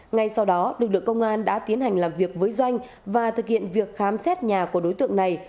ngay sau đó lực lượng công an đã tiến hành làm việc với doanh và thực hiện việc khám xét nhà của đối tượng này